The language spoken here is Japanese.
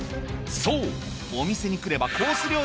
そうお店に来ればコース